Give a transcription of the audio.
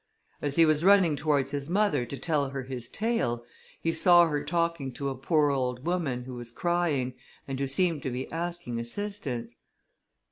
As he was running towards his mother to tell her his tale, he saw her talking to a poor old woman, who was crying, and who seemed to be asking assistance.